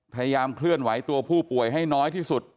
พยายามเคลื่อนไหวตัวผู้ป่วยให้น้อยที่สุด